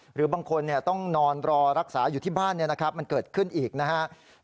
หรือบางคนต้องนอนรอรักษาอยู่ที่บ้านมันเกิดขึ้นอีกนะครับ